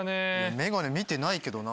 メガネ見てないけどな。